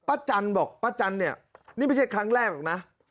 จันบอกป้าจันเนี่ยนี่ไม่ใช่ครั้งแรกหรอกนะ